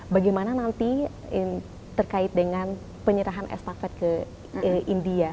bagaimana nanti terkait dengan penyerahan estafet ke india